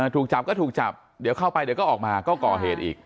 ถูกจับก็ถูกจับเดี๋ยวเข้าไปเดี๋ยวก็ออกมาก็ก่อเหตุอีก